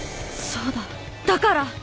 そうだ！だから。